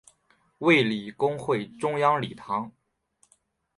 卫理公会中央礼堂。